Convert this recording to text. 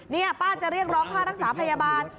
นี่ป้าจะเรียกร้องค่ารักษาพยาบาล